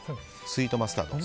スイートマスタード。